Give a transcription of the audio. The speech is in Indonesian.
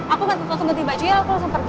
aku ganti ganti baju ya aku langsung pergi